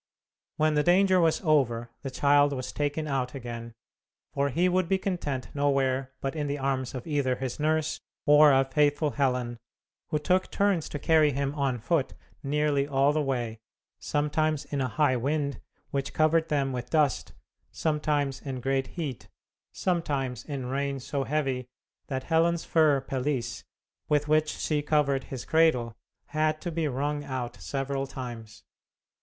When the danger was over the child was taken out again, for he would be content nowhere but in the arms of either his nurse or of faithful Helen, who took turns to carry him on foot nearly all the way, sometimes in a high wind which covered them with dust, sometimes in great heat, sometimes in rain so heavy that Helen's fur pelisse, with which she covered his cradle, had to be wrung out several times.